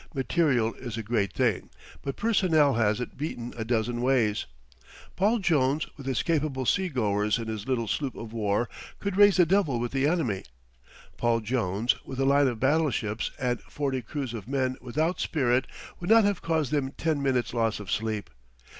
Material is a great thing; but personnel has it beaten a dozen ways. Paul Jones with his capable seagoers in his little sloop of war could raise the devil with the enemy. Paul Jones with a line of battleships and forty crews of men without spirit would not have caused them ten minutes' loss of sleep.